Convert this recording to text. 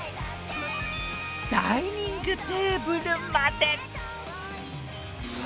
ダイニングテーブルまで。